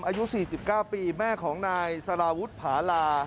อายุ๔๙ปีแม่ของนายสารวุฒิผาลา